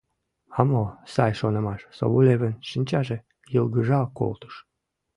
— А мо, сай шонымаш, — Соболевын шинчаже йылгыжал колтыш.